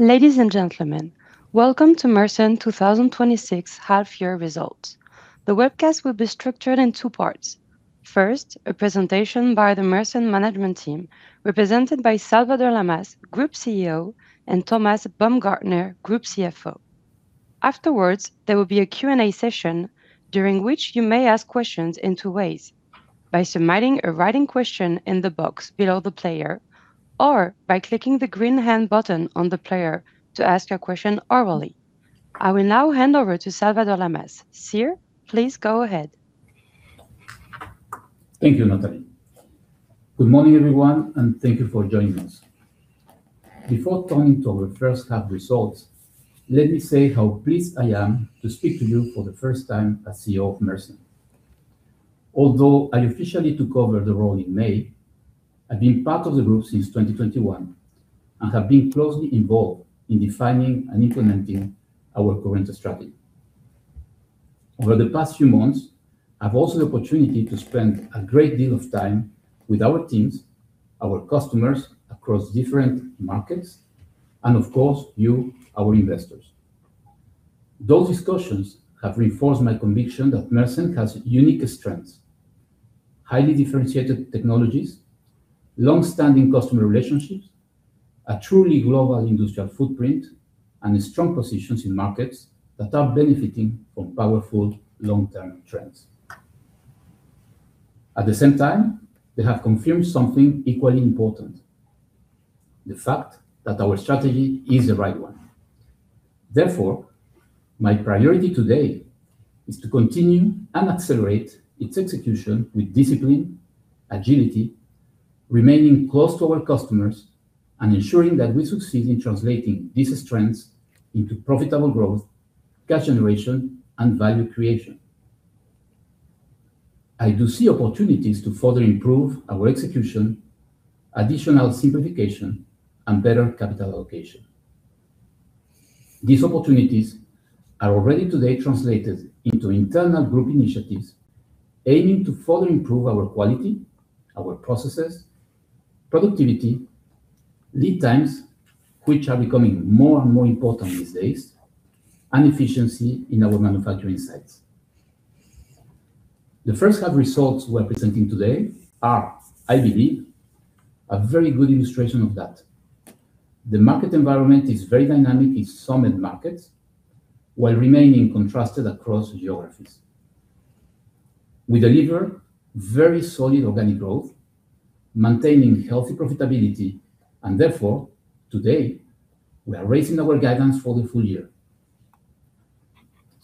Ladies and gentlemen, welcome to Mersen 2026 half-year results. The webcast will be structured in two parts. First, a presentation by the Mersen management team, represented by Salvador Lamas, Group CEO, and Thomas Baumgartner, Group CFO. Afterwards, there will be a Q&A session during which you may ask questions in two ways: by submitting a written question in the box below the player or by clicking the green hand button on the player to ask a question orally. I will now hand over to Salvador Lamas. Sir, please go ahead. Thank you, Natalie. Good morning, everyone, and thank you for joining us. Before turning to our first half results, let me say how pleased I am to speak to you for the first time as CEO of Mersen. Although I officially took over the role in May, I've been part of the group since 2021 and have been closely involved in defining and implementing our current strategy. Over the past few months, I've also had the opportunity to spend a great deal of time with our teams, our customers across different markets, and of course, you, our investors. Those discussions have reinforced my conviction that Mersen has unique strengths, highly differentiated technologies, long-standing customer relationships, a truly global industrial footprint, and strong positions in markets that are benefiting from powerful long-term trends. At the same time, they have confirmed something equally important, the fact that our strategy is the right one. Therefore, my priority today is to continue and accelerate its execution with discipline, agility, remaining close to our customers, and ensuring that we succeed in translating these strengths into profitable growth, cash generation, and value creation. I do see opportunities to further improve our execution, additional simplification, and better capital allocation. These opportunities are already today translated into internal group initiatives aiming to further improve our quality, our processes, productivity, lead times, which are becoming more and more important these days, and efficiency in our manufacturing sites. The first half results we're presenting today are, I believe, a very good illustration of that. The market environment is very dynamic in some markets while remaining contrasted across geographies. We deliver very solid organic growth, maintaining healthy profitability. Therefore, today, we are raising our guidance for the full year.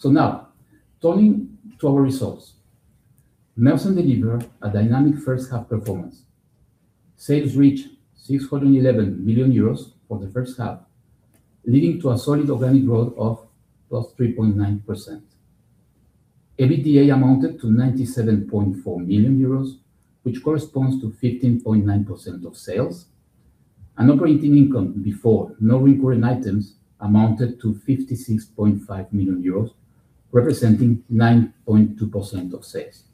Now turning to our results. Mersen delivered a dynamic first half performance. Sales reached 611 million euros for the first half, leading to a solid organic growth of plus 3.9%. EBITDA amounted to 97.4 million euros, which corresponds to 15.9% of sales. Operating income before non-recurring items amounted to 56.5 million euros, representing 9.2% of sales.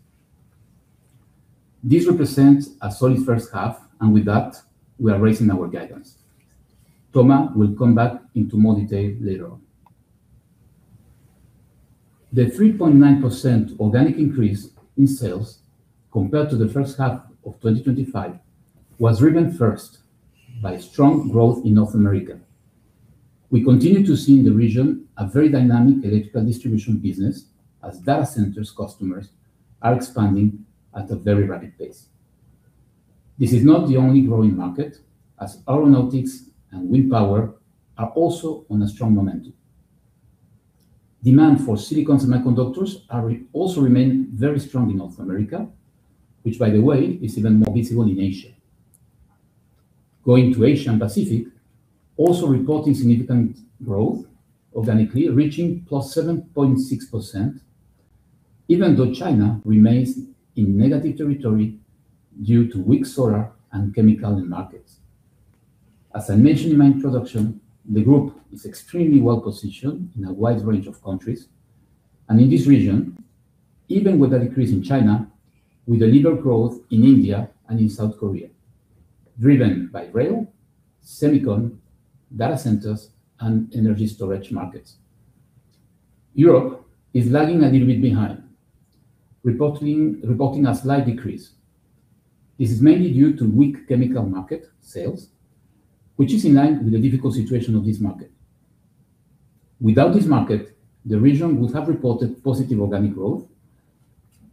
This represents a solid first half, and with that, we are raising our guidance. Thomas will come back into more detail later on. The 3.9% organic increase in sales compared to the first half of 2025 was driven first by strong growth in North America. We continue to see in the region a very dynamic electrical distribution business as data centers customers are expanding at a very rapid pace. This is not the only growing market, as aeronautics and wind power are also on a strong momentum. Demand for silicon semiconductors also remain very strong in North America, which by the way, is even more visible in Asia. Going to Asia and Pacific, also reporting significant growth organically, reaching +7.6%, even though China remains in negative territory due to weak solar and chemical markets. As I mentioned in my introduction, the group is extremely well-positioned in a wide range of countries and in this region, even with a decrease in China, we deliver growth in India and in South Korea, driven by rail, silicon, data centers, and energy storage markets. Europe is lagging a little bit behind, reporting a slight decrease. This is mainly due to weak chemical market sales, which is in line with the difficult situation of this market. Without this market, the region would have reported positive organic growth.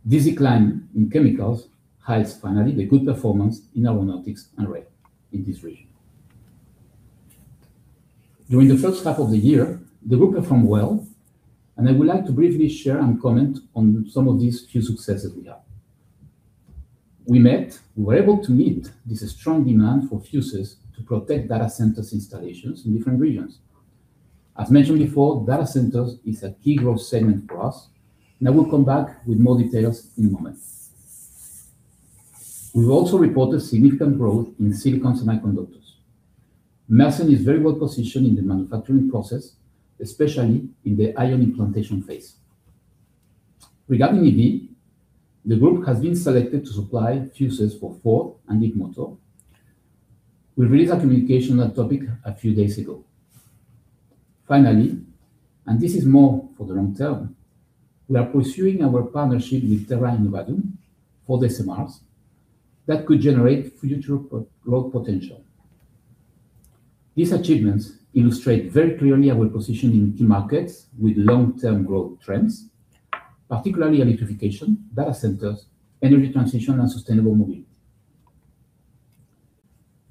This decline in chemicals hides finally the good performance in aeronautics and rail in this region. During the first half of the year, the group performed well, and I would like to briefly share and comment on some of these few successes we have. We were able to meet this strong demand for fuses to protect data centers installations in different regions. As mentioned before, data centers is a key growth segment for us, and I will come back with more details in a moment. We've also reported significant growth in silicon semiconductors. Mersen is very well-positioned in the manufacturing process, especially in the ion implantation phase. Regarding EV, the group has been selected to supply fuses for Ford and Leapmotor. We released a communication on that topic a few days ago. Finally, this is more for the long term, we are pursuing our partnership with Terra Innovatum for the SMRs that could generate future growth potential. These achievements illustrate very clearly our position in key markets with long-term growth trends, particularly electrification, data centers, energy transition, and sustainable mobility.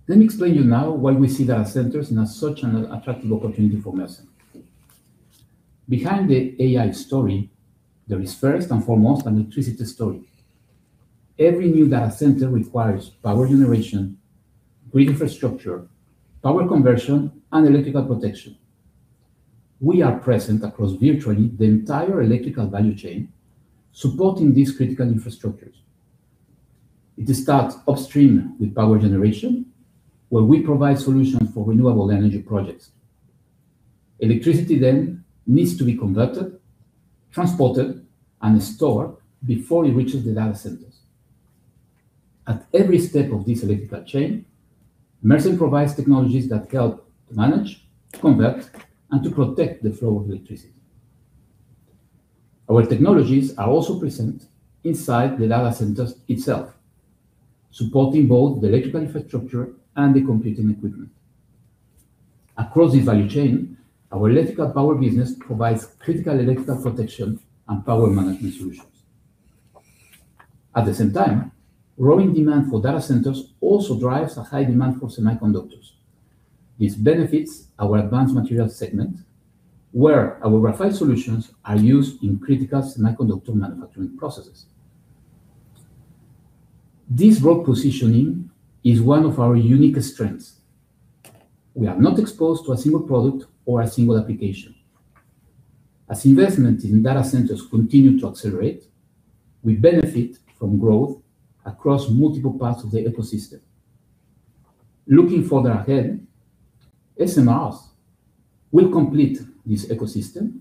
Let me explain to you now why we see data centers as such an attractive opportunity for Mersen. Behind the AI story, there is first and foremost an electricity story. Every new data center requires power generation, grid infrastructure, power conversion, and electrical protection. We are present across virtually the entire electrical value chain, supporting these critical infrastructures. It starts upstream with power generation, where we provide solutions for renewable energy projects. Electricity then needs to be converted, transported, and stored before it reaches the data centers. At every step of this electrical chain, Mersen provides technologies that help to manage, convert, and to protect the flow of electricity. Our technologies are also present inside the data centers itself, supporting both the electrical infrastructure and the computing equipment. Across this value chain, our Electrical Power business provides critical electrical protection and power management solutions. At the same time, growing demand for data centers also drives a high demand for semiconductors. This benefits our Advanced Materials segment, where our graphite solutions are used in critical semiconductor manufacturing processes. This broad positioning is one of our unique strengths. We are not exposed to a single product or a single application. As investment in data centers continue to accelerate, we benefit from growth across multiple parts of the ecosystem. Looking further ahead, SMRs will complete this ecosystem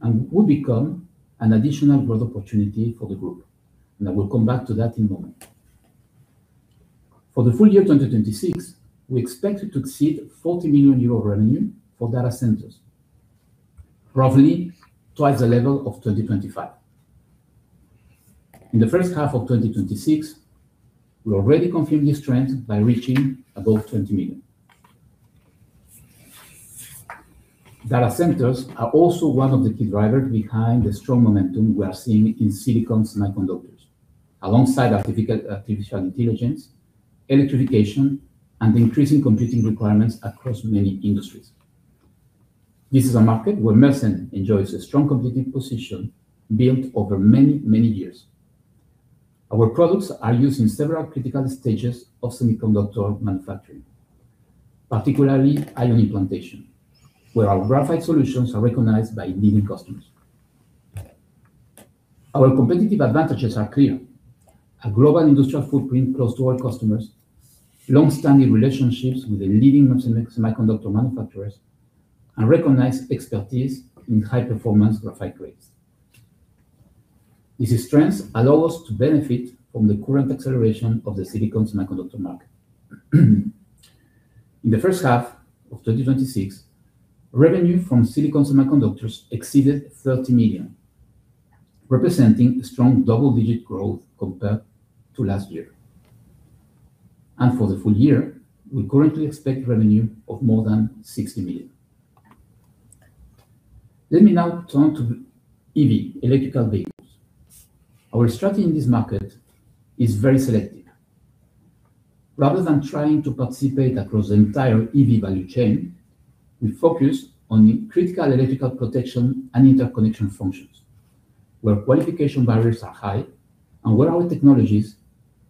and will become an additional growth opportunity for the group, I will come back to that in a moment. For the full year 2026, we expect to exceed 40 million euro revenue for data centers, roughly twice the level of 2025. In the first half of 2026, we already confirmed this trend by reaching above 20 million. Data centers are also one of the key drivers behind the strong momentum we are seeing in silicon semiconductors, alongside artificial intelligence, electrification, and increasing computing requirements across many industries. This is a market where Mersen enjoys a strong competitive position built over many, many years. Our products are used in several critical stages of semiconductor manufacturing, particularly ion implantation, where our graphite solutions are recognized by leading customers. Our competitive advantages are clear. A global industrial footprint close to our customers, long-standing relationships with the leading semiconductor manufacturers, and recognized expertise in high-performance graphite grades. This strength allows us to benefit from the current acceleration of the silicon semiconductor market. In the first half of 2026, revenue from silicon semiconductors exceeded 30 million, representing strong double-digit growth compared to last year. For the full year, we currently expect revenue of more than 60 million. Let me now turn to EV, electrical vehicles. Our strategy in this market is very selective. Rather than trying to participate across the entire EV value chain, we focus on critical electrical protection and interconnection functions, where qualification barriers are high and where our technologies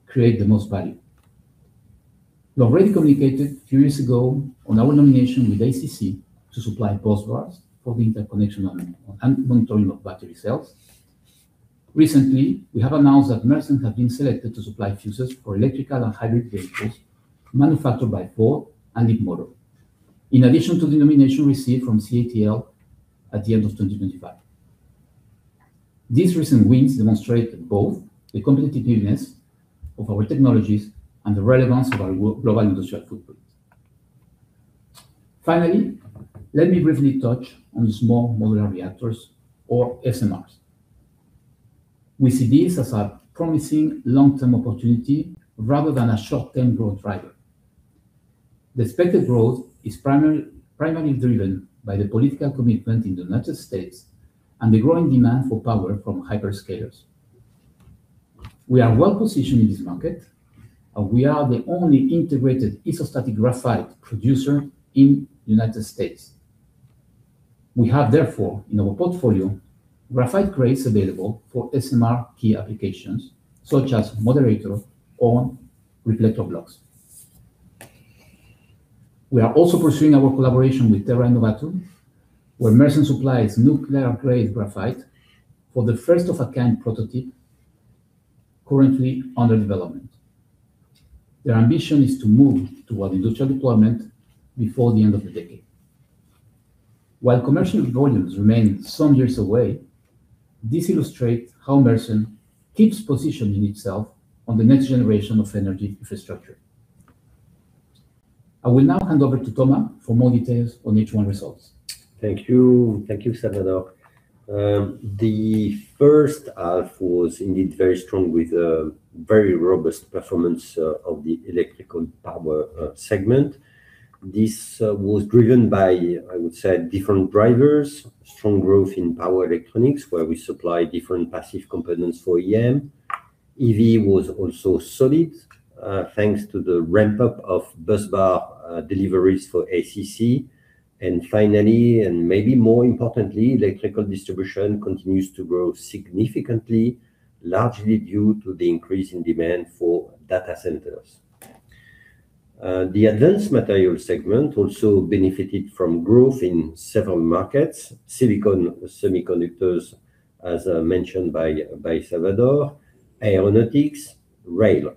create the most value. We already communicated a few years ago on our nomination with ACC to supply busbars for the interconnection and monitoring of battery cells. Recently, we have announced that Mersen has been selected to supply fuses for electrical and hybrid vehicles manufactured by Ford and Leapmotor. In addition to the nomination received from CATL at the end of 2025. These recent wins demonstrate both the competitiveness of our technologies and the relevance of our global industrial footprint. Finally, let me briefly touch on small modular reactors or SMRs. We see this as a promising long-term opportunity rather than a short-term growth driver. The expected growth is primarily driven by the political commitment in the U.S. and the growing demand for power from hyperscalers. We are well-positioned in this market, we are the only integrated isostatic graphite producer in the U.S. We have, therefore, in our portfolio, graphite grades available for SMR key applications such as moderator or reflector blocks. We are also pursuing our collaboration with Terra Innovatum, where Mersen supplies nuclear-grade graphite for the first-of-a-kind prototype currently under development. Their ambition is to move toward industrial deployment before the end of the decade. While commercial volumes remain some years away, this illustrates how Mersen keeps positioning itself on the next generation of energy infrastructure. I will now hand over to Thomas for more details on H1 results. Thank you, Salvador. The first half was indeed very strong with a very robust performance of the Electrical Power segment. This was driven by, I would say, different drivers, strong growth in power electronics, where we supply different passive components for OEM. EV was also solid, thanks to the ramp-up of busbars deliveries for Automotive Cells Company. Finally, and maybe more importantly, electrical distribution continues to grow significantly, largely due to the increase in demand for data centers. The Advanced Materials segment also benefited from growth in several markets, silicon semiconductors, as mentioned by Salvador, aeronautics, rail.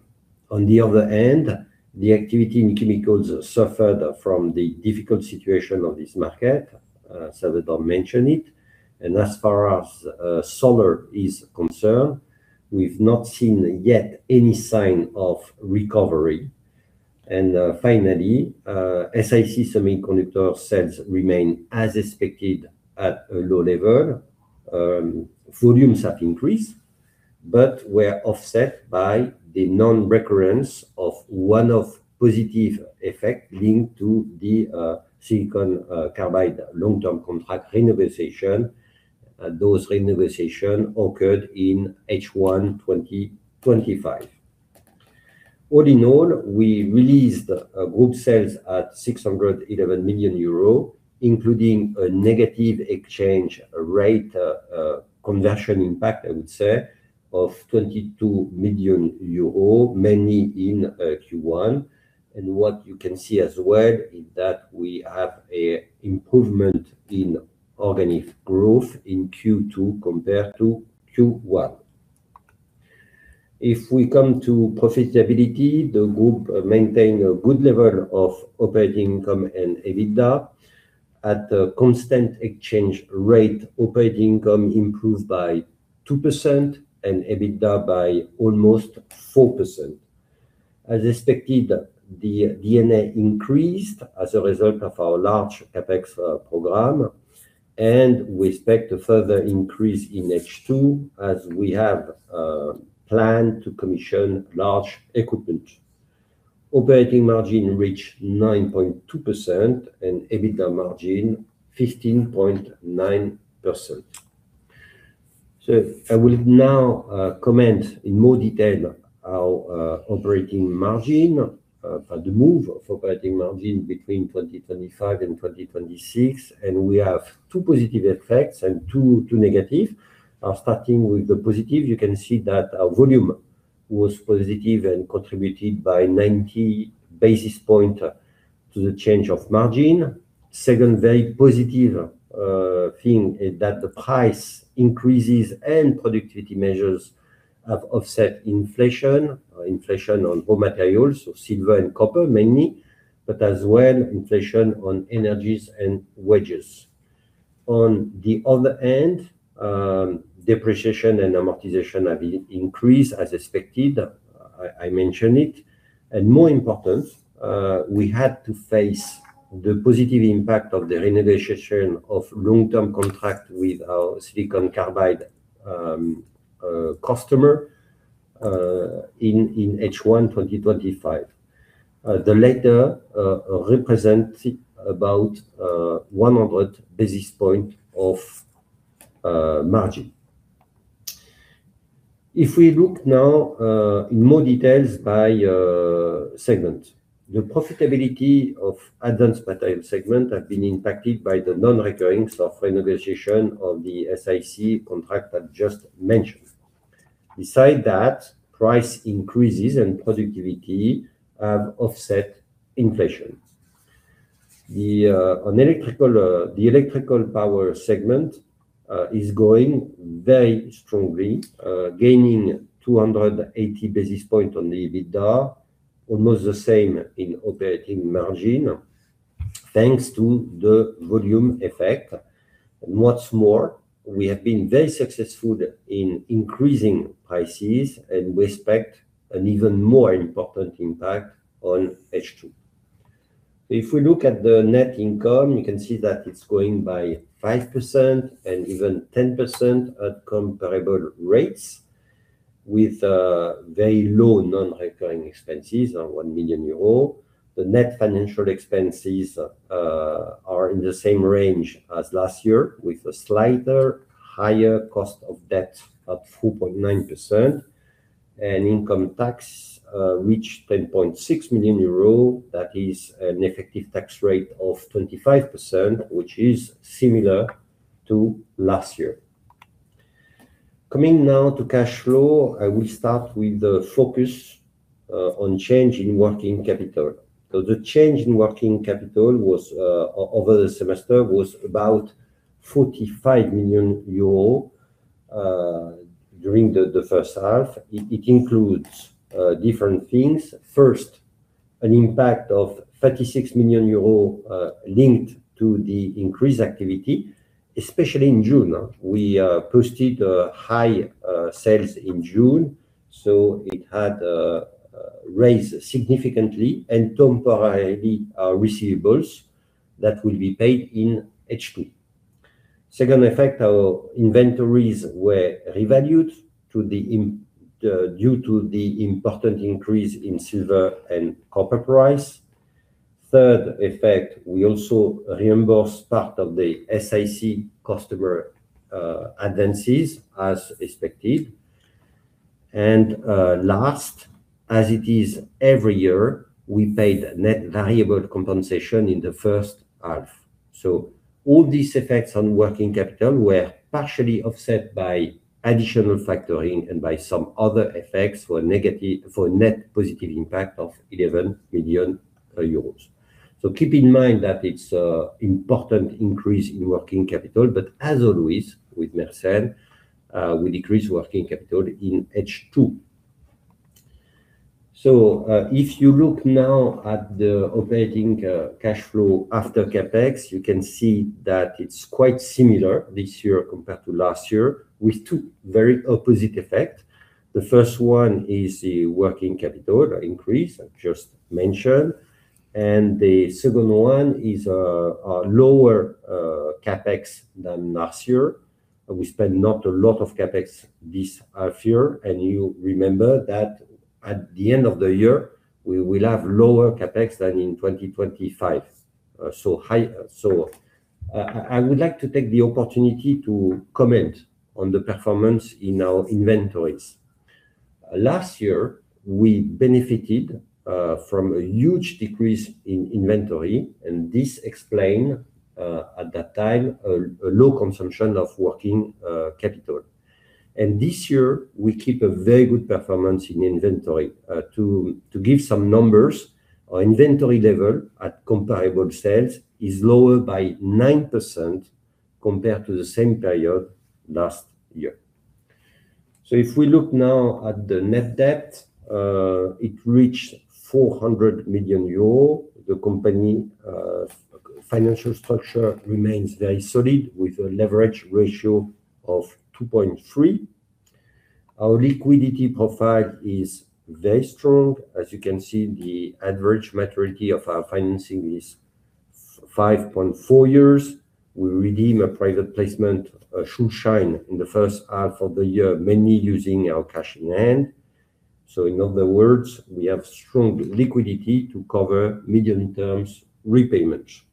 On the other hand, the activity in chemicals suffered from the difficult situation of this market, Salvador mentioned it. As far as solar is concerned, we've not seen yet any sign of recovery. Finally, SiC semiconductor sales remain as expected at a low level. Volumes have increased, but were offset by the non-recurrence of one positive effect linked to the silicon carbide long-term contract renegotiation. Those renegotiations occurred in H1 2025. All in all, we released group sales at 611 million euro, including a negative exchange rate conversion impact, I would say, of 22 million euro, mainly in Q1. What you can see as well is that we have improvement in organic growth in Q2 compared to Q1. If we come to profitability, the group maintain a good level of operating income and EBITDA. At the constant exchange rate, operating income improved by 2% and EBITDA by almost 4%. As expected, the D&A increased as a result of our large CapEx program, and we expect a further increase in H2 as we have planned to commission large equipment. Operating margin reached 9.2% and EBITDA margin 15.9%. I will now comment in more detail our operating margin, the move of operating margin between 2025 and 2026, and we have two positive effects and two negative. Starting with the positive, you can see that our volume was positive and contributed by 90 basis points to the change of margin. Second very positive thing is that the price increases and productivity measures have offset inflation on raw materials, silver and copper mainly, but as well inflation on energies and wages. On the other end, depreciation and amortization have increased as expected. I mentioned it. More important, we had to face the positive impact of the renegotiation of long-term contract with our silicon carbide customer in H1 2025. The latter represented about 100 basis points of margin. If we look now in more details by segment. The profitability of Advanced Materials segment have been impacted by the non-recurring soft renegotiation of the SiC contract I just mentioned. Beside that, price increases and productivity have offset inflation. The Electrical Power segment is going very strongly, gaining 280 basis points on the EBITDA, almost the same in operating margin, thanks to the volume effect. What's more, we have been very successful in increasing prices, and we expect an even more important impact on H2. If we look at the net income, you can see that it's going by 5% and even 10% at comparable rates with very low non-recurring expenses of 1 million euros. The net financial expenses are in the same range as last year, with a slighter higher cost of debt at 4.9%. Income tax reached 10.6 million euro. That is an effective tax rate of 25%, which is similar to last year. Coming now to cash flow, I will start with the focus on change in working capital. The change in working capital over the semester was about 45 million euro during the first half. It includes different things. First, an impact of 36 million euros linked to the increased activity, especially in June. We posted high sales in June, it had raised significantly and temporarily our receivables that will be paid in H2. Second effect, our inventories were revalued due to the important increase in silver and copper price. Third effect, we also reimbursed part of the SiC customer advances as expected. Last, as it is every year, we paid net variable compensation in the first half. All these effects on working capital were partially offset by additional factoring and by some other effects for net positive impact of 11 million euros. Keep in mind that it's important increase in working capital, but as always, with Mersen, we decrease working capital in H2. If you look now at the operating cash flow after CapEx, you can see that it's quite similar this year compared to last year with two very opposite effects. The first one is the working capital increase I've just mentioned, and the second one is a lower CapEx than last year. We spent not a lot of CapEx this half year, and you remember that at the end of the year, we will have lower CapEx than in 2025. I would like to take the opportunity to comment on the performance in our inventories. Last year, we benefited from a huge decrease in inventory, and this explained, at that time, a low consumption of working capital. This year, we keep a very good performance in inventory. To give some numbers, our inventory level at comparable sales is lower by 9% compared to the same period last year. If we look now at the net debt, it reached 400 million euro. The company financial structure remains very solid with a leverage ratio of 2.3. Our liquidity profile is very strong. As you can see, the average maturity of our financing is 5.4 years. We redeem a private placement Schuldschein in the first half of the year, mainly using our cash in hand. In other words, we have strong liquidity to cover medium-term repayments.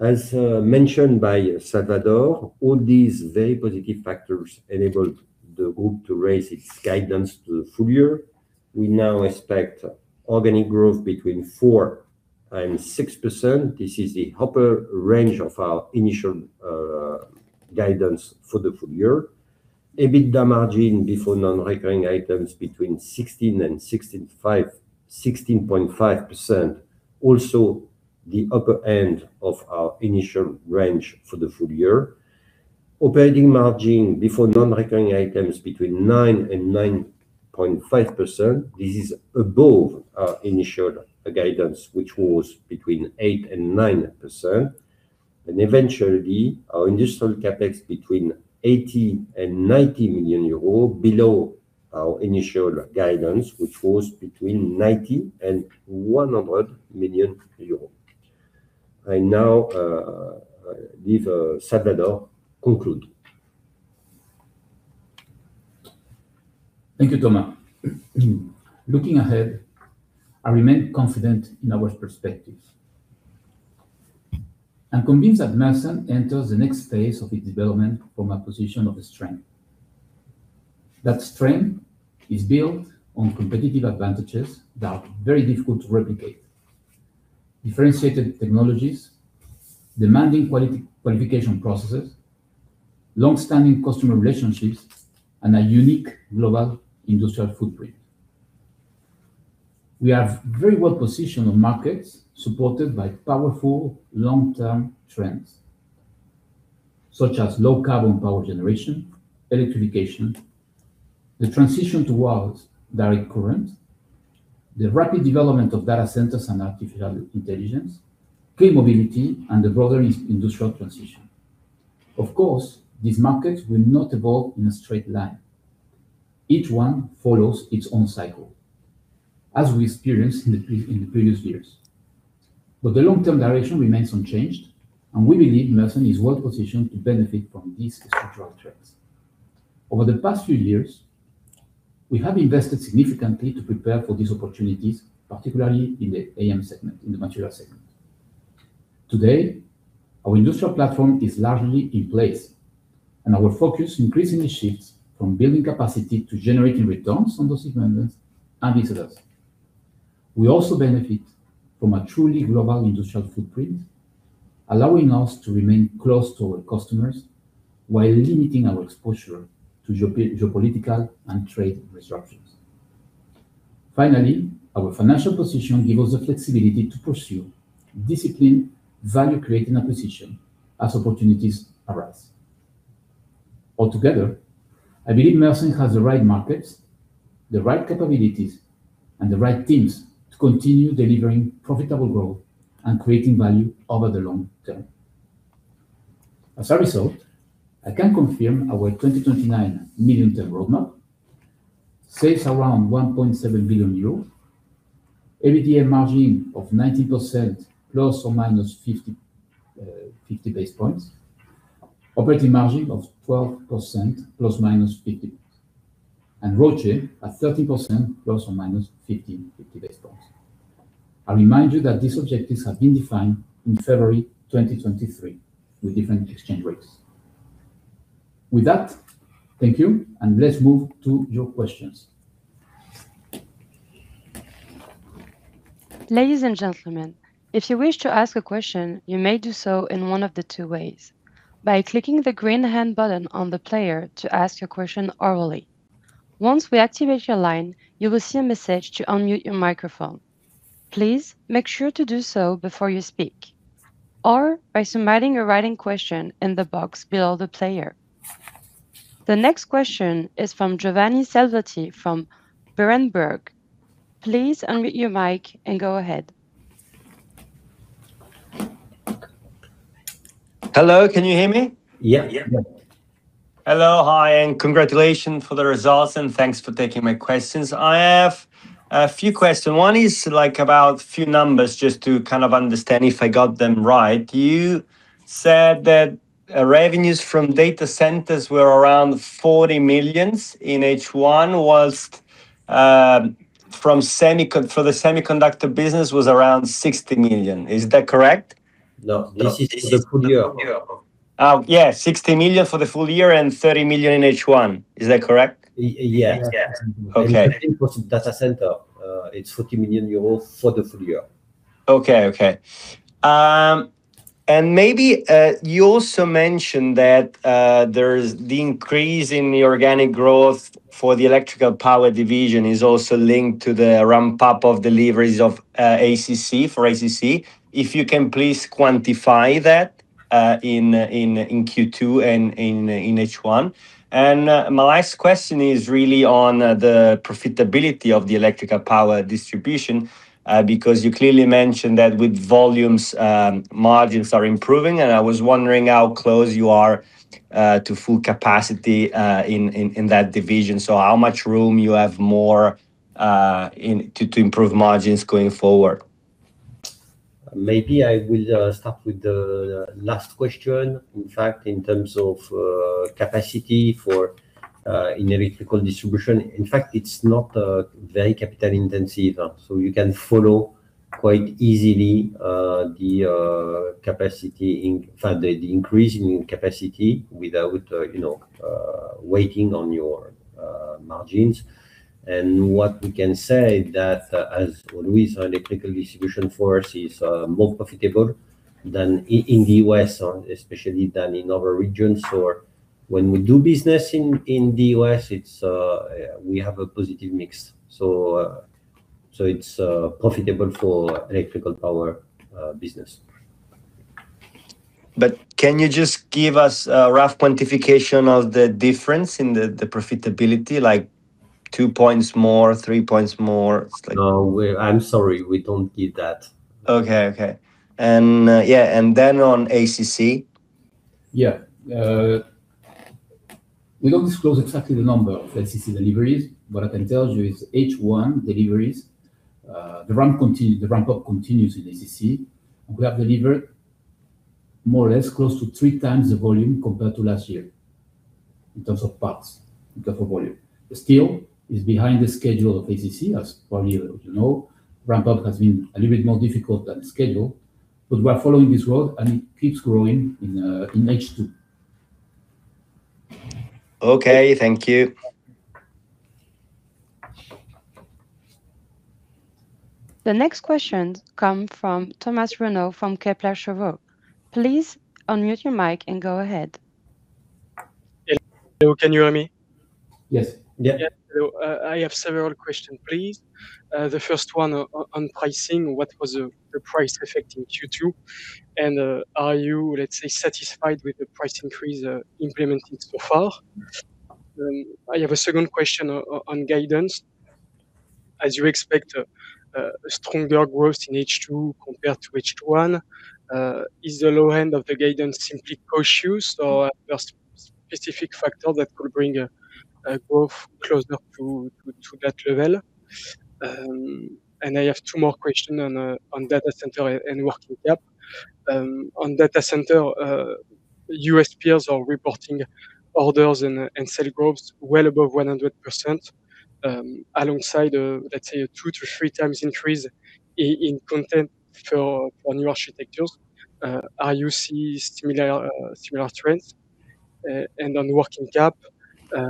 As mentioned by Salvador, all these very positive factors enabled the group to raise its guidance to the full year. We now expect organic growth between 4%-6%. This is the upper range of our initial guidance for the full year. EBITDA margin before non-recurring items between 16%-16.5%, also the upper end of our initial range for the full year. Operating margin before non-recurring items between 9%-9.5%. This is above our initial guidance, which was between 8%-9%. Eventually, our industrial CapEx between 80 million-90 million euros, below our initial guidance, which was between 90 million-100 million euros. I now leave Salvador conclude. Thank you, Thomas. Looking ahead, I remain confident in our perspective and convinced that Mersen enters the next phase of its development from a position of strength. That strength is built on competitive advantages that are very difficult to replicate. Differentiated technologies, demanding qualification processes, long-standing customer relationships, and a unique global industrial footprint. We are very well-positioned on markets supported by powerful long-term trends, such as low-carbon power generation, electrification, the transition towards direct current, the rapid development of data centers and artificial intelligence, clean mobility, and the broader industrial transition. Of course, these markets will not evolve in a straight line. Each one follows its own cycle, as we experienced in the previous years. The long-term direction remains unchanged, and we believe Mersen is well-positioned to benefit from these structural trends. Over the past few years, we have invested significantly to prepare for these opportunities, particularly in the AM segment, in the material segment. Today, our industrial platform is largely in place, and our focus increasingly shifts from building capacity to generating returns on those investments and results. We also benefit from a truly global industrial footprint, allowing us to remain close to our customers while limiting our exposure to geopolitical and trade disruptions. Finally, our financial position gives us the flexibility to pursue disciplined value-creating acquisition as opportunities arise. Altogether, I believe Mersen has the right markets, the right capabilities, and the right teams to continue delivering profitable growth and creating value over the long term. As a result, I can confirm our 2029 medium-term roadmap sales around 1.7 billion euros, EBITDA margin of 19% ± 50 basis points, operating margin of 12% ± 50 basis points, and ROCE at 13% ± 50 basis points. I remind you that these objectives have been defined in February 2023 with different exchange rates. With that, thank you, and let's move to your questions. Ladies and gentlemen, if you wish to ask a question, you may do so in one of the two ways. By clicking the green hand button on the player to ask your question orally. Once we activate your line, you will see a message to unmute your microphone. Please make sure to do so before you speak. By submitting a written question in the box below the player. The next question is from Giovanni Selvetti from Berenberg. Please unmute your mic and go ahead. Hello, can you hear me? Yeah. Hello. Hi, congratulations for the results thanks for taking my questions. I have a few questions. One is about a few numbers just to kind of understand if I got them right. You said that revenues from data centers were around 40 million in H1. For the semiconductor business was around 60 million. Is that correct? No. This is the full year. Yes, 60 million for the full year 30 million in H1. Is that correct? Yes. Okay. I think for data center, it is 40 million euros for the full year. Okay. Maybe you also mentioned that the increase in the organic growth for the Electrical Power division is also linked to the ramp-up of deliveries for ACC. If you can please quantify that in Q2 and in H1. My last question is really on the profitability of the electrical power distribution because you clearly mentioned that with volumes, margins are improving, and I was wondering how close you are to full capacity in that division. How much room you have more to improve margins going forward? Maybe I will start with the last question. In terms of capacity in electrical distribution, it is not very capital intensive. You can follow quite easily the increase in capacity without weighing on your margins. What we can say that as always, our electrical distribution for us is more profitable than in the U.S. especially than in other regions, or when we do business in the U.S., we have a positive mix. It is profitable for Electrical Power business. Can you just give us a rough quantification of the difference in the profitability, like two points more, three points more? No. I'm sorry, we don't give that. Okay. Then on ACC? Yeah. We don't disclose exactly the number of ACC deliveries. What I can tell you is H1 deliveries, the ramp-up continues in ACC, and we have delivered more or less close to three times the volume compared to last year in terms of parts, in terms of volume. Still is behind the schedule of ACC. As probably you know, ramp-up has been a little bit more difficult than scheduled. We are following this road, and it keeps growing in H2. Okay. Thank you. The next question come from Thomas Renaud from Kepler Cheuvreux. Please unmute your mic and go ahead. Hello, can you hear me? Yes. I have several question, please. The first one on pricing, what was the price effect in Q2? Are you, let's say, satisfied with the price increase implemented so far? I have a second question on guidance. As you expect a stronger growth in H2 compared to H1, is the low end of the guidance simply cautious, or are there specific factors that could bring a growth closer to that level? I have two more questions on data center and working cap. On data center, U.S. peers are reporting orders and sales growths well above 100%, alongside, let's say, a two to three times increase in content for new architectures. Are you seeing similar trends? On working cap,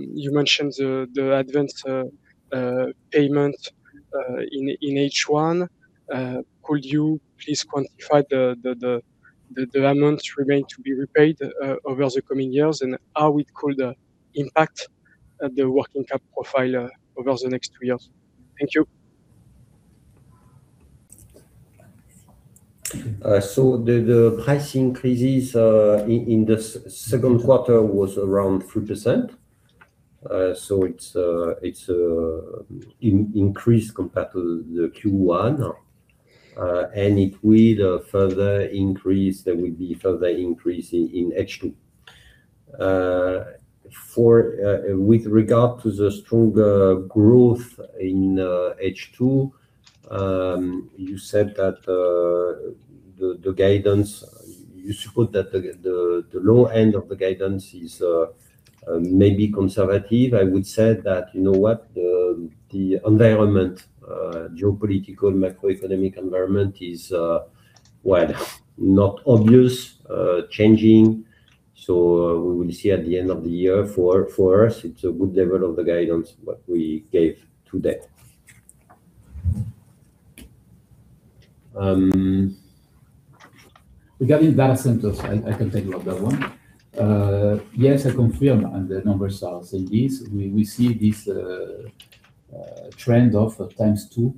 you mentioned the advance payment in H1. Could you please quantify the amounts remain to be repaid over the coming years, how it could impact the working capital profile over the next two years. Thank you. The price increases in the second quarter was around 3%. It's increased compared to the Q1. There will be further increase in H2. With regard to the stronger growth in H2, you said that the guidance, you suppose that the low end of the guidance is maybe conservative. I would say that the geopolitical macroeconomic environment is not obvious, changing. We will see at the end of the year. For us, it's a good level of the guidance, what we gave today. Regarding data centers, I can take that one. Yes, I confirm, and the numbers are saying this. We see this trend of times two,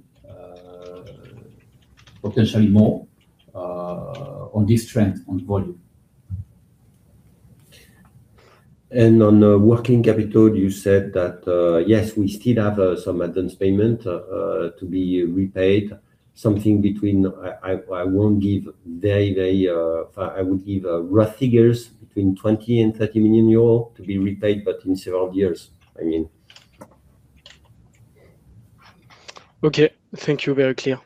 potentially more on this trend on volume. On working capital, you said that yes, we still have some advance payment to be repaid, between 20 million and 30 million euro to be repaid, but in several years. Okay. Thank you. Very clear.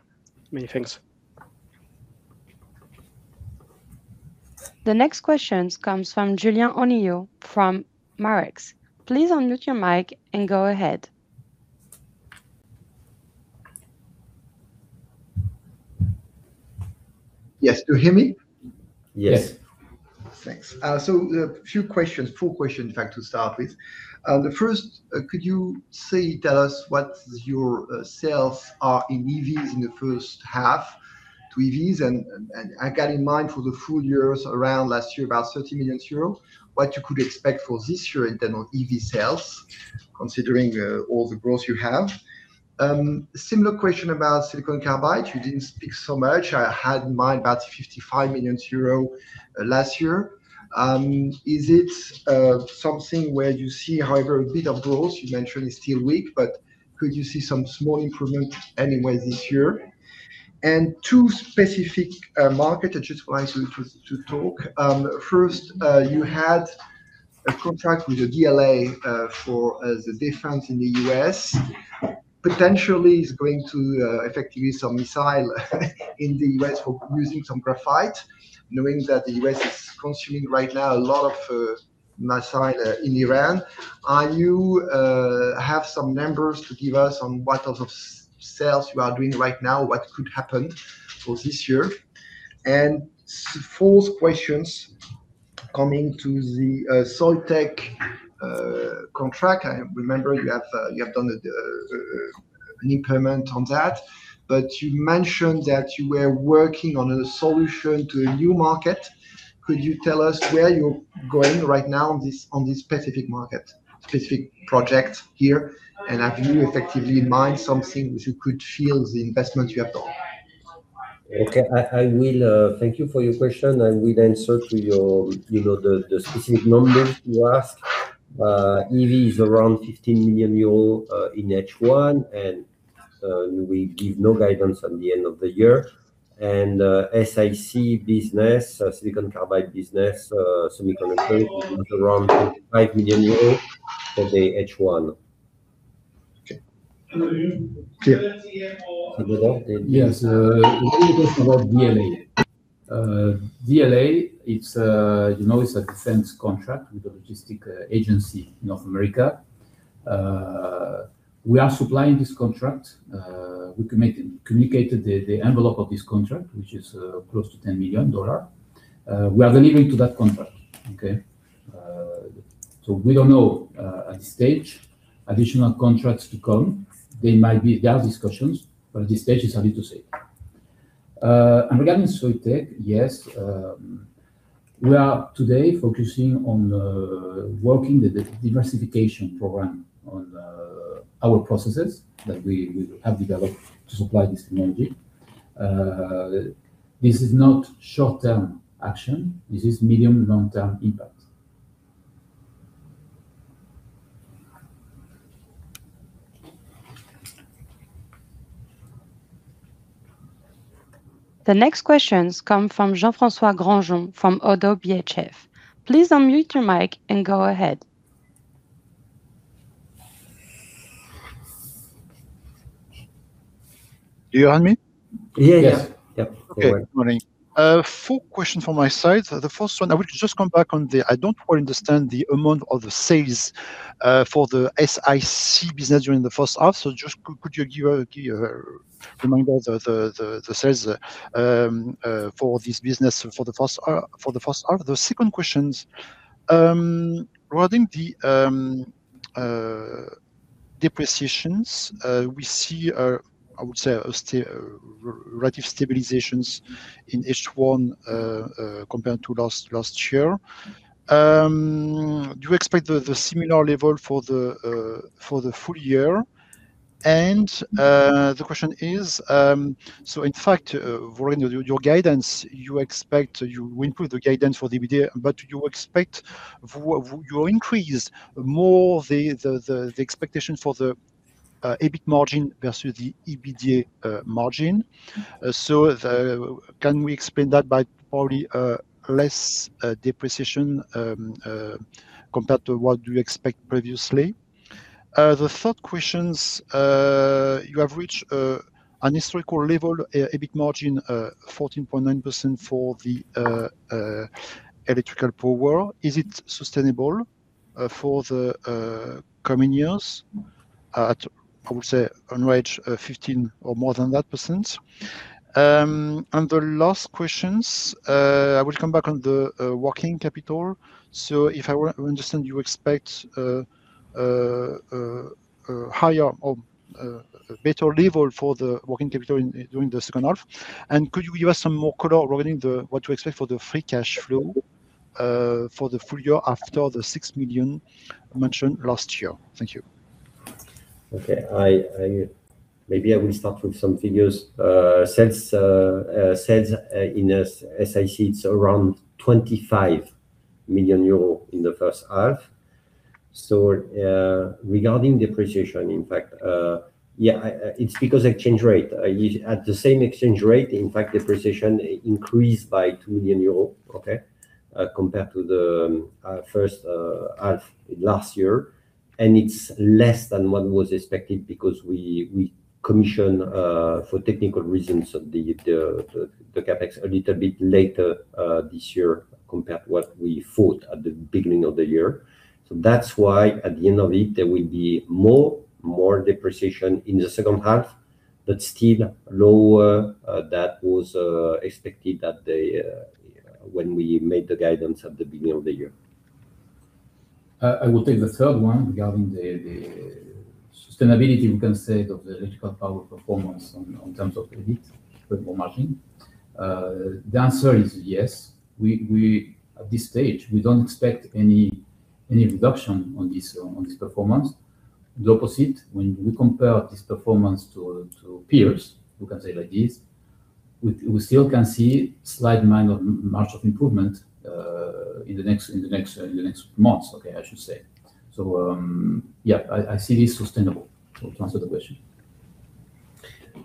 Many thanks. The next question comes from Julien Onillon from Marex. Please unmute your mic and go ahead. Yes. Do you hear me? Yes. Thanks. A few questions. Four questions, in fact, to start with. The first, could you tell us what your sales are in EVs in the first half to EVs? I got in mind for the full years around last year, about 30 million euros. What you could expect for this year in terms of EV sales, considering all the growth you have? Similar question about silicon carbide. You didn't speak so much. I had in mind about 55 million euros last year. Is it something where you see, however, a bit of growth? You mentioned it's still weak, could you see some small improvement anyway this year? Two specific markets, I just want you to talk. First, you had a contract with the DLA for the defense in the U.S. Potentially it's going to effectively some missiles in the U.S. for using some graphite, knowing that the U.S. is consuming right now a lot of missiles in Iran. You have some numbers to give us on what sort of sales you are doing right now, what could happen for this year? Fourth question, coming to the Soitec contract. I remember you have done an increment on that, you mentioned that you were working on a solution to a new market. Could you tell us where you're going right now on this specific market, specific project here? Have you effectively in mind something which you could fill the investment you have done? Okay. Thank you for your question. I will answer to the specific numbers you asked. EV is around 15 million euro in H1, we give no guidance on the end of the year. SiC business, silicon carbide business, semiconductor was around 25 million euro for the H1. Okay. Fabrice? Yes. Regarding DLA. DLA, it's a defense contract with the Defense Logistics Agency North America. We are supplying this contract. We communicated the envelope of this contract, which is close to $10 million. We are delivering to that contract. Okay. We don't know at this stage additional contracts to come. There are discussions, but at this stage, it's hard to say. Regarding Soitec, yes, we are today focusing on working the diversification program on our processes that we have developed to supply this energy. This is not short-term action. This is medium, long-term impact. The next questions come from Jean-François Granjon from Oddo BHF. Please unmute your mic and go ahead. Do you hear me? Yeah. Yes. Okay. Morning. Four questions from my side. The first one, I don't quite understand the amount of the sales for the SiC business during the first half. Could you just give a reminder the sales for this business for the first half? The second question, regarding the Depreciation. We see, I would say, relative stabilizations in H1 compared to last year. Do you expect the similar level for the full year? The question is, in fact, Maureen, your guidance, you improve the guidance for the EBITDA, but you expect you increase more the expectation for the EBIT margin versus the EBITDA margin. Can we explain that by probably less depreciation compared to what you expect previously? The third question. You have reached a historical level, EBIT margin 14.9% for the Electrical Power. Is it sustainable for the coming years at, I would say, on range of 15% or more than that? The last question, I will come back on the working capital. If I understand, you expect a higher or better level for the working capital during the second half. Could you give us some more color regarding what you expect for the free cash flow for the full year after the 6 million mentioned last year? Thank you. Maybe I will start with some figures. Sales in SiC, it's around 25 million euro in the first half. Regarding depreciation, in fact, it's because exchange rate. At the same exchange rate, in fact, depreciation increased by 2 million euros compared to the first half last year. It's less than what was expected because we commissioned for technical reasons of the CapEx a little bit later this year compared to what we thought at the beginning of the year. That's why at the end of it, there will be more depreciation in the second half, but still lower than was expected when we made the guidance at the beginning of the year. I will take the third one regarding the sustainability, we can say, of the Electrical Power performance in terms of EBIT margin. The answer is yes. At this stage, we don't expect any reduction on this performance. The opposite, when we compare this performance to peers, we can say like this, we still can see slight margin of improvement in the next months, I should say. I see this sustainable, to answer the question.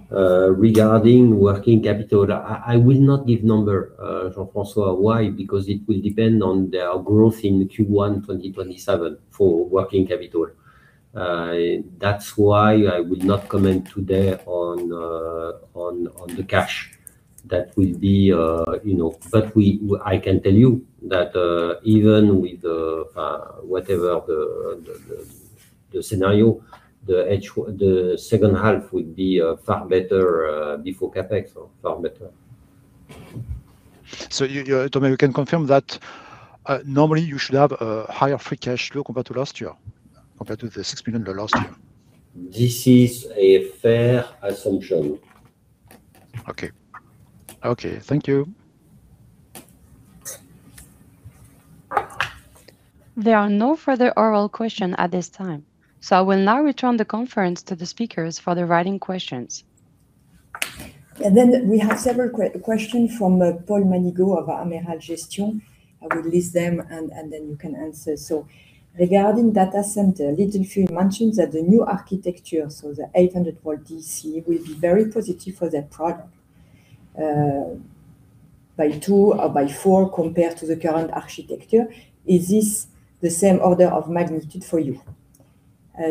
Regarding working capital, I will not give number, Jean-François. Why? Because it will depend on our growth in Q1 2027 for working capital. That's why I will not comment today on the cash that will be. I can tell you that even with whatever the scenario, the second half would be far better before CapEx, so far better. Thomas, you can confirm that normally you should have a higher free cash flow compared to last year, compared to the 6 million last year? This is a fair assumption. Okay. Thank you. There are no further oral questions at this time, so I will now return the conference to the speakers for the writing questions. We have several questions from Paul Manigault of Amiral Gestion. I will list them, then you can answer. Regarding data center, Littelfuse mentions that the new architecture, the 800 volt DC, will be very positive for their product, by two or by four compared to the current architecture. Is this the same order of magnitude for you?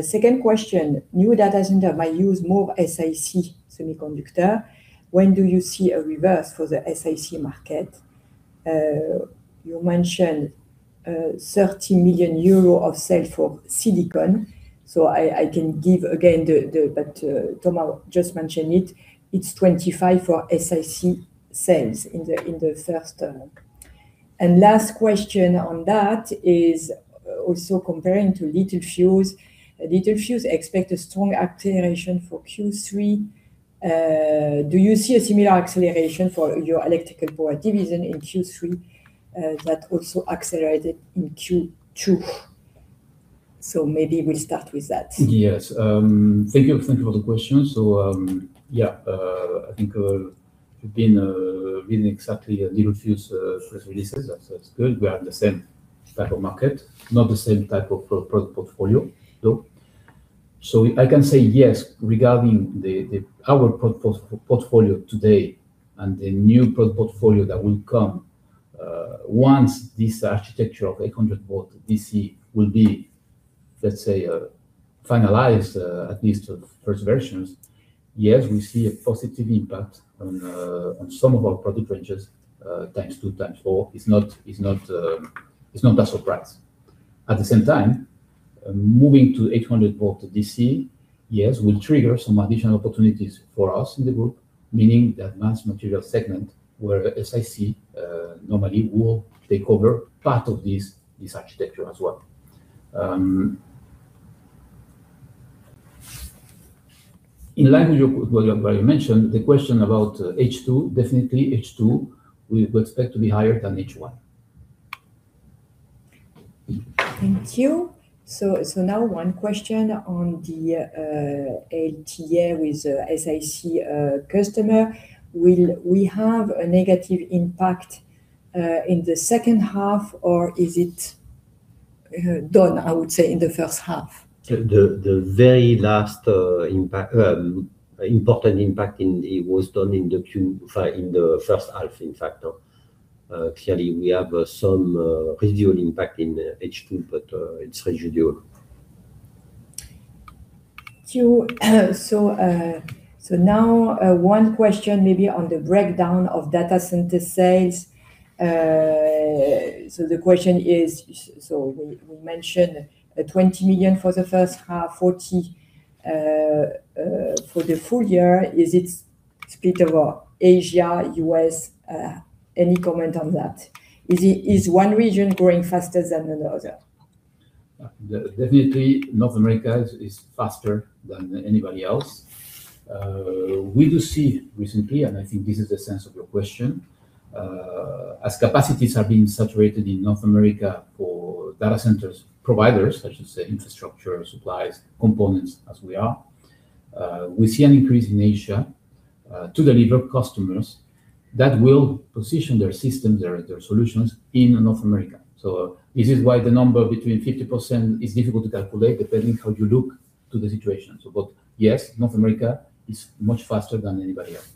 Second question, new data center might use more SiC semiconductor. When do you see a reverse for the SiC market? You mentioned 30 million euro of sale for SiC. I can give again. Thomas just mentioned it. It's 25 million for SiC sales in the first term. Last question on that is also comparing to Littelfuse. Littelfuse expects a strong acceleration for Q3. Do you see a similar acceleration for your Electrical Power division in Q3 that also accelerated in Q2? Maybe we start with that. Yes. Thank you for the question. I think it's been exactly a Littelfuse press release. That's good. We are in the same type of market, not the same type of product portfolio, though. I can say yes regarding our product portfolio today and the new product portfolio that will come once this architecture of 800 volt DC will be, let's say, finalized, at least the first versions. Yes, we see a positive impact on some of our product ranges, times two, times four. It's not that surprising. At the same time, moving to 800 volt DC, yes, will trigger some additional opportunities for us in the group, meaning the Advanced Materials segment where SiC normally will take over part of this architecture as well. In line with what you mentioned, the question about H2, definitely H2 we would expect to be higher than H1. Thank you. Now one question on the LTA with SiC customer. Will we have a negative impact in the second half, or is it done, I would say, in the first half? The very last important impact was done in the first half, in fact. Clearly, we have some residual impact in H2, but it's residual. Thank you. Now one question maybe on the breakdown of data center sales. The question is, we mentioned 20 million for the first half, 40 million for the full year. Is it split over Asia, U.S.? Any comment on that? Is one region growing faster than the other? Definitely North America is faster than anybody else. We do see recently, and I think this is the sense of your question, as capacities are being saturated in North America for data centers providers, I should say infrastructure suppliers, components as we are, we see an increase in Asia to deliver customers that will position their systems, their solutions in North America. This is why the number between 50% is difficult to calculate depending how you look to the situation. Yes, North America is much faster than anybody else.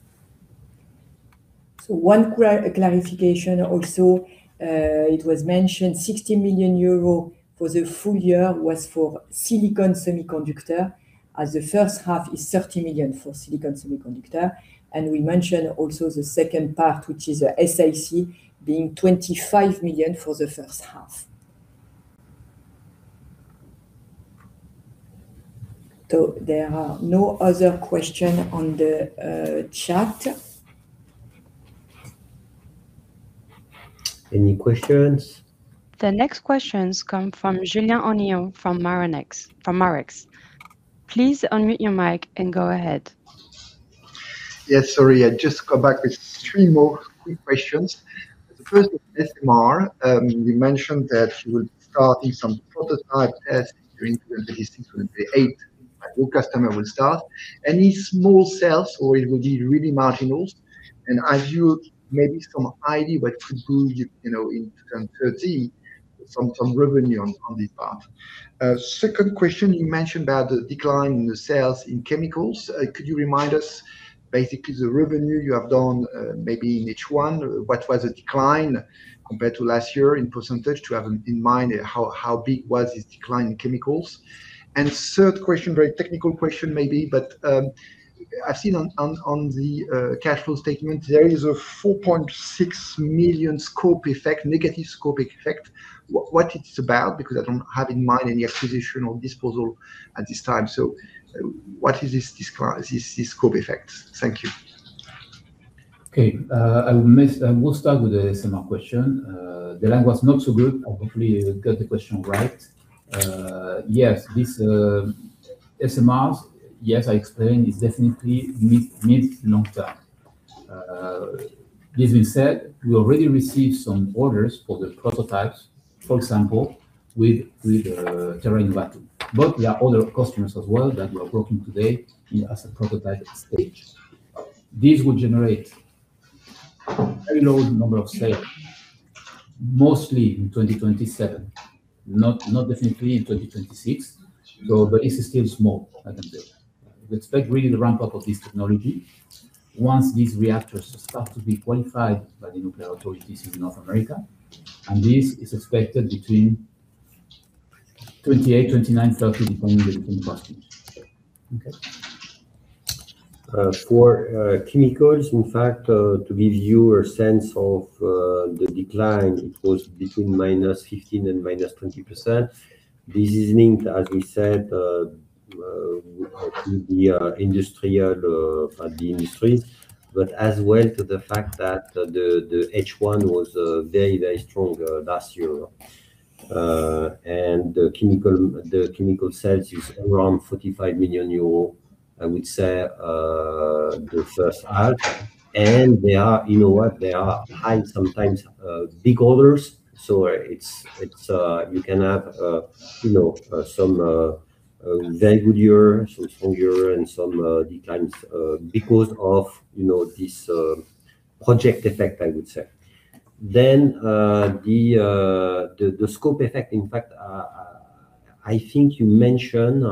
One clarification also. It was mentioned 60 million euro for the full year was for silicon semiconductor, as the first half is 30 million for silicon semiconductor. We mentioned also the second part, which is SiC being 25 million for the first half. There are no other question on the chat. Any questions? The next questions come from Julien Onillon from Marex. Please unmute your mic and go ahead. Yes. Sorry. I just come back with three more quick questions. The first is SMR. You mentioned that you will start in some prototype tests during 2026, 2028, new customer will start. Any small sales or it will be really marginal? Have you maybe some idea what could be in 2030 some revenue on this part? Second question, you mentioned about the decline in the sales in chemicals. Could you remind us basically the revenue you have done maybe in H1? What was the decline compared to last year in % to have in mind how big was this decline in chemicals? Third question, very technical question maybe, but I've seen on the cash flow statement, there is a 4.6 million negative scope effect. What it's about? Because I don't have in mind any acquisition or disposal at this time. What is this scope effect? Thank you. Okay. We'll start with the SMR question. The line was not so good, hopefully I got the question right. Yes, these SMRs, yes, I explained, is definitely mid, long-term. This being said, we already received some orders for the prototypes, for example, with TerraPower. There are other customers as well that we are working today as a prototype stage. These will generate a very low number of sales, mostly in 2027, not definitely in 2026. This is still small at the build. We expect really the ramp-up of this technology once these reactors start to be qualified by the nuclear authorities in North America, and this is expected between 2028, 2029, 2030, depending the different customers. Okay. For chemicals, in fact, to give you a sense of the decline, it was between -15% and -20%. This is linked, as we said, to the industry. As well to the fact that the H1 was very, very strong last year. The chemical sales is around 45 million euros, I would say, the first half. You know what, they are high sometimes big orders. You can have some very good year, some strong year, and some declines because of this project effect, I would say. The scope effect, in fact, I think you mentioned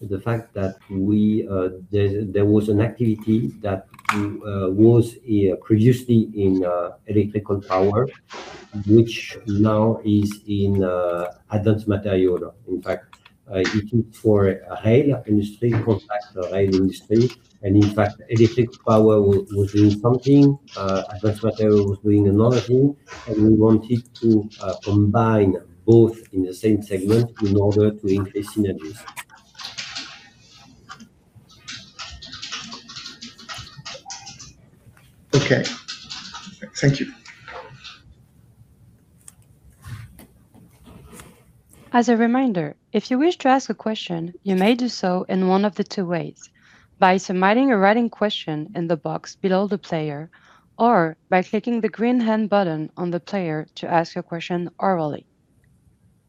the fact that there was an activity that was previously in Electrical Power, which now is in Advanced Materials. In fact, looking for rail industry, contract rail industry, in fact, Electrical Power was doing something, Advanced Materials was doing another thing, we wanted to combine both in the same segment in order to increase synergies. Okay. Thank you. As a reminder, if you wish to ask a question, you may do so in one of the two ways, by submitting a written question in the box below the player, or by clicking the green hand button on the player to ask a question orally.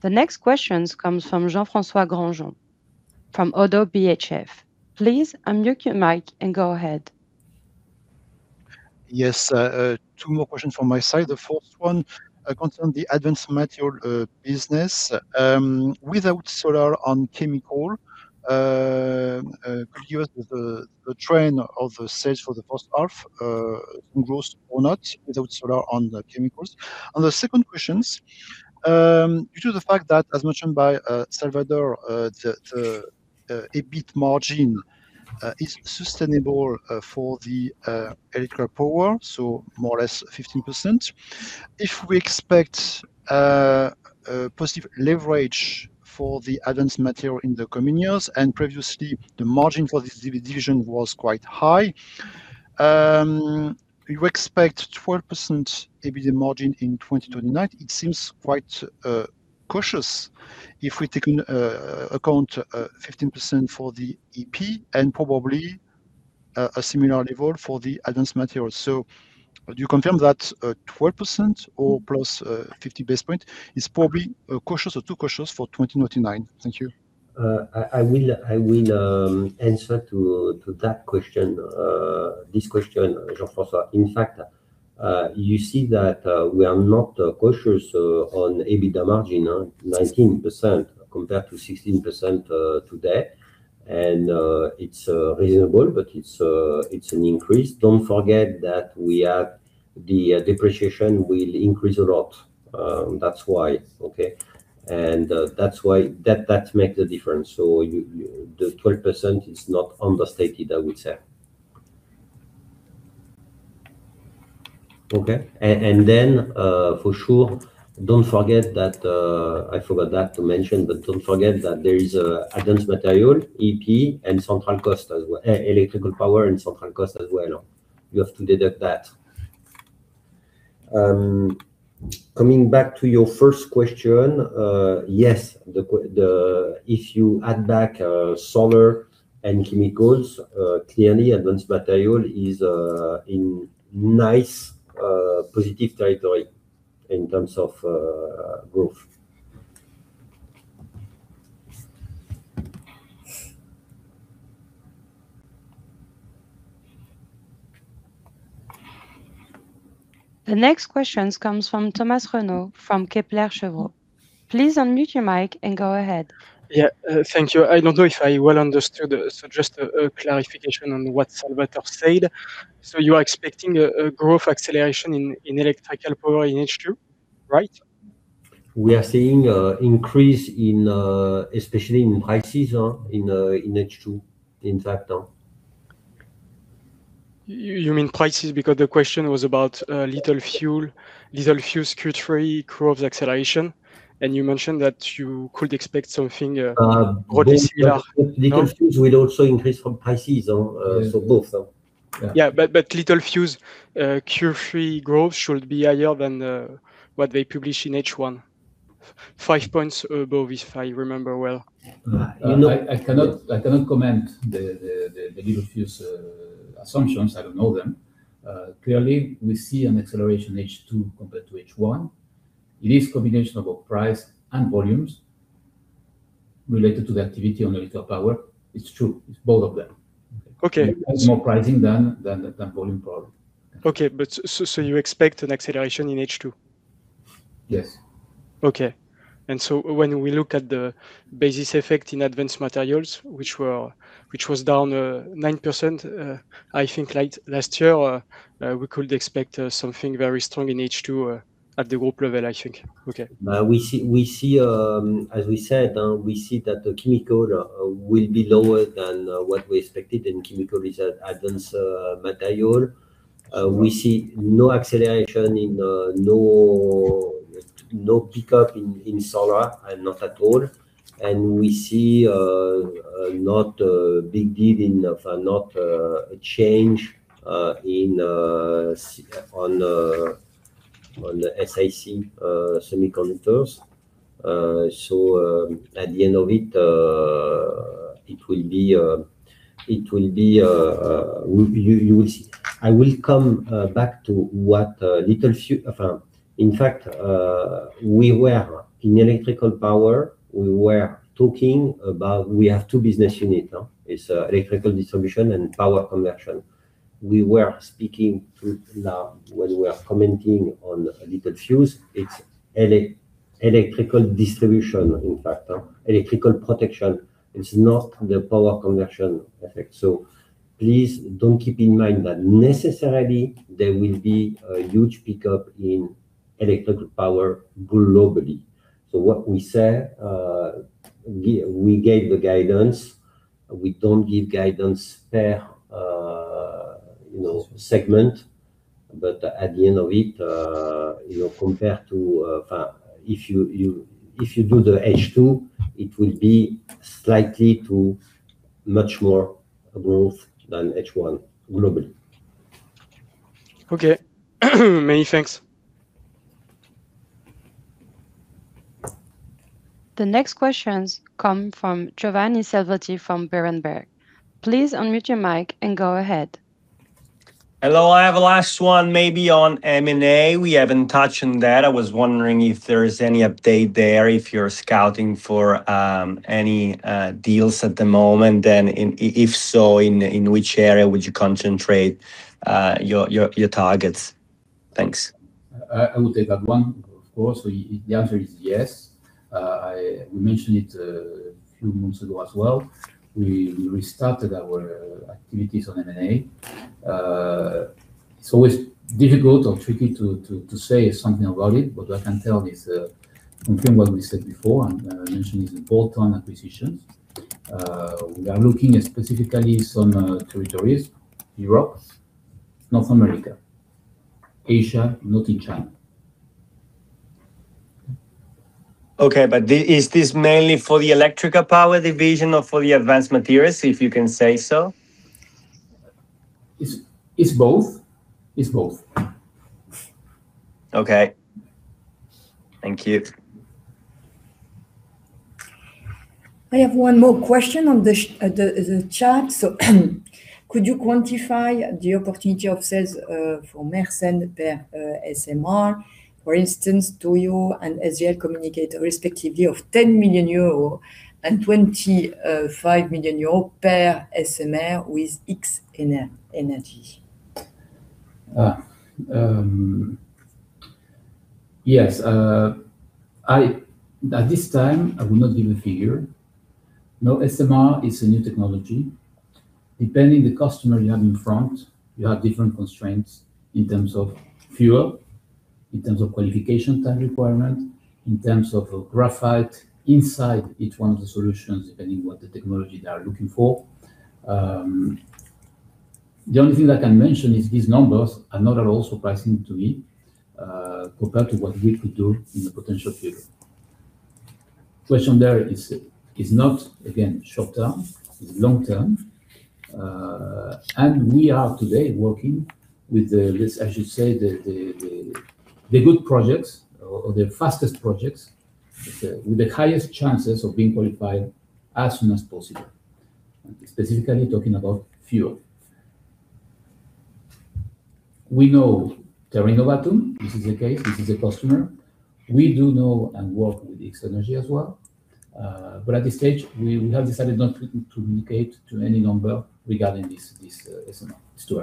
The next questions comes from Jean-François Granjon from Oddo BHF. Please unmute your mic and go ahead. Yes. Two more questions from my side. The first one concerns the Advanced Materials business. Without solar on chemical, could you give us the trend of sales for the first half in growth or not, without solar on the chemicals? The second question, due to the fact that, as mentioned by Salvador, the EBIT margin is sustainable for the Electrical Power, so more or less 15%. If we expect positive leverage for the Advanced Materials in the coming years, and previously the margin for this division was quite high. You expect 12% EBIT margin in 2029. It seems quite cautious if we take into account 15% for the EP and probably a similar level for the Advanced Materials. Do you confirm that 12% or +50 basis points is probably cautious or too cautious for 2029? Thank you. I will answer to that question, Jean-François. In fact, you see that we are not cautious on EBITDA margin. 19% compared to 16% today, it's reasonable, but it's an increase. Don't forget that the depreciation will increase a lot. That's why. Okay? That's why that makes a difference. The 12% is not understated, I would say. Okay. Then, for sure, don't forget that I forgot that to mention, but don't forget that there is Advanced Materials, EP, and Electrical Power, and central cost as well. You have to deduct that. Coming back to your first question. Yes, if you add back solar and chemicals, clearly Advanced Materials is in nice positive territory in terms of growth. The next questions comes from Thomas Renaud from Kepler Cheuvreux. Please unmute your mic and go ahead. Yeah. Thank you. I don't know if I well understood, just a clarification on what Salvador said. You are expecting a growth acceleration in Electrical Power in H2, right? We are seeing increase especially in high season, in H2, in fact. You mean prices? Because the question was about Littelfuse Q3 growth acceleration, and you mentioned that you could expect something broadly similar. Littelfuse will also increase from prices, so both. Yeah. Yeah, Littelfuse Q3 growth should be higher than what they published in H1. Five points above, if I remember well. I cannot comment the Littelfuse assumptions. I don't know them. Clearly, we see an acceleration in H2 compared to H1. It is combination of both price and volumes related to the activity on Electrical Power. It's true, it's both of them. Okay. More pricing than volume probably. Okay, you expect an acceleration in H2? Yes. Okay. When we look at the basis effect in Advanced Materials, which was down 9%, I think last year, we could expect something very strong in H2 at the group level, I think. Okay. As we said, we see that the chemical will be lower than what we expected in Advanced Materials. We see no acceleration and no pickup in solar, not at all. We see not a big deal, not a change on the SiC semiconductors. At the end of it, you will see. I will come back to what Littelfuse. In fact, in Electrical Power, we have two business units. It's electrical distribution and power conversion. We were speaking when we were commenting on Littelfuse, it's electrical distribution, in fact. Electrical protection is not the power conversion effect. Please don't keep in mind that necessarily there will be a huge pickup in Electrical Power globally. What we say, we gave the guidance. We don't give guidance per segment. At the end of it, if you do the H2, it will be slightly to much more growth than H1 globally. Okay. Many thanks. The next questions come from Giovanni Selvetti from Berenberg. Please unmute your mic and go ahead. Hello. I have a last one maybe on M&A. We haven't touched on that. I was wondering if there is any update there, if you're scouting for any deals at the moment. If so, in which area would you concentrate your targets? Thanks. I will take that one. Of course, the answer is yes. We mentioned it a few months ago as well. We restarted our activities on M&A. What I can tell is confirm what we said before, and I mentioned it's bolt-on acquisitions. We are looking specifically some territories, Europe, North America, Asia, not in China. Okay, is this mainly for the Electrical Power division or for the Advanced Materials, if you can say so? It's both. Okay. Thank you. I have one more question on the chat. Could you quantify the opportunity of sales for Mersen per SMR, for instance, to you and ESL communicate respectively of 10 million euro and 25 million euro per SMR with X-energy? Yes. At this time, I will not give a figure. SMR is a new technology. Depending the customer you have in front, you have different constraints in terms of fuel, in terms of qualification time requirement, in terms of graphite inside each one of the solutions, depending what the technology they are looking for. The only thing that I can mention is these numbers are not at all surprising to me, compared to what we could do in the potential future. Question there is not, again, short-term, is long-term. We are today working with the, let's just say, the good projects or the fastest projects with the highest chances of being qualified as soon as possible. Specifically talking about fuel. We know Terra Innovatum, this is the case, this is a customer. We do know and work with X-energy as well. At this stage, we have decided not to communicate to any number regarding this SMR. It's too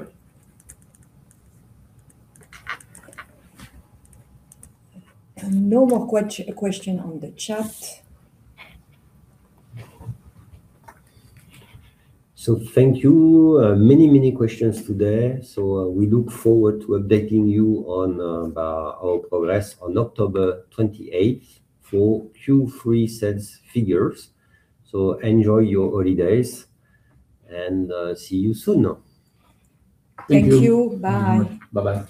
early. No more questions on the chat. Thank you. Many questions today. We look forward to updating you on our progress on October 28th for Q3 sales figures. Enjoy your holidays, and see you soon. Thank you. Bye. Bye-bye.